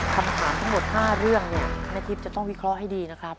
คำถามทั้งหมด๕เรื่องเนี่ยแม่ทิพย์จะต้องวิเคราะห์ให้ดีนะครับ